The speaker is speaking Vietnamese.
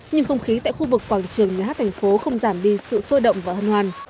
nhưng không khí tại khu vực quảng trường nhà hát thành phố không giảm đi sự sôi động và hân hoan